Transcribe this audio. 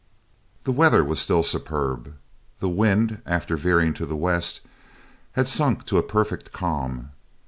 The weather was still superb. The wind, after veering to the west, had sunk to a perfect calm.